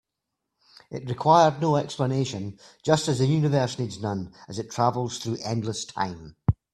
It required no explanation, just as the universe needs none as it travels through endless time.